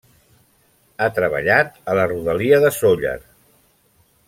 Ha treballat a la rodalia de Sóller.